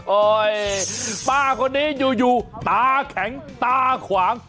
ป้าคนนี้อยู่ตาแข็งตาขวาง